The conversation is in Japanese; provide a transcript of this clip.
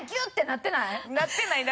なってないなってない。